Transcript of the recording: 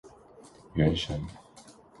原神